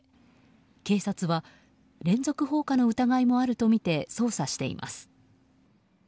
警察は連続放火の疑いもあるとみて捜査しています。